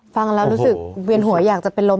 ฟังแล้วรู้สึกเวียนหัวอยากจะเป็นลม